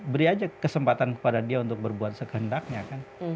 beri aja kesempatan kepada dia untuk berbuat sekendaknya kan